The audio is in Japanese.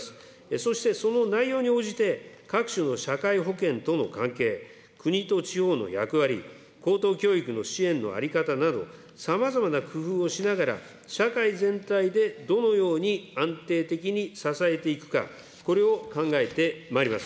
そしてその内容に応じて、各種の社会保険との関係、国と地方の役割、高等教育の支援の在り方など、さまざまな工夫をしながら、社会全体でどのように安定的に支えていくか、これを考えてまいります。